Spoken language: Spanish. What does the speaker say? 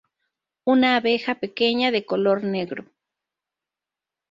Es una abeja pequeña, de color negro.